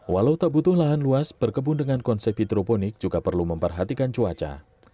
walau tak butuh lahan luas berkebun dengan konsep hidroponik juga perlu memperhatikan cuaca